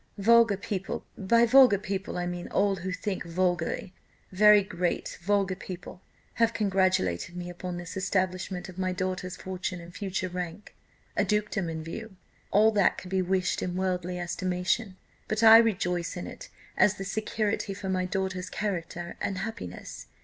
Vulgar people by vulgar people I mean all who think vulgarly very great vulgar people have congratulated me upon this establishment of my daughter's fortune and future rank (a dukedom in view), all that could be wished in worldly estimation. But I rejoice in it as the security for my daughter's character and happiness.